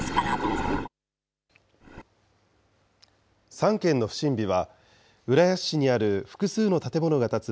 ３件の不審火は、浦安市にある複数の建物が建つ